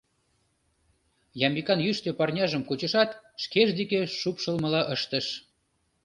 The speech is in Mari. Ямбикан йӱштӧ парняжым кучышат, шкеж деке шупшылмыла ыштыш.